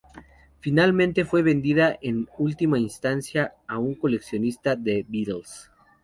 Finalmente fue vendida en última instancia a un coleccionista de Beatles.